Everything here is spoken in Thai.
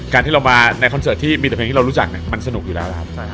การที่เรามาในคอนเสิร์ตที่มีแต่เพลงที่เรารู้จักมันสนุกอยู่แล้วนะครับ